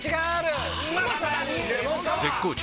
絶好調！！